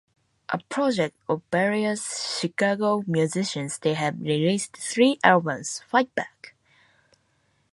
A project of various Chicago musicians, they have released three albums, Fight Back!